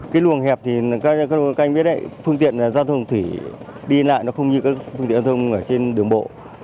cái luồng hẹp thì các anh biết đấy phương tiện giao thông thủy đi lại nó không như các phương tiện giao thông ở trên đường bộ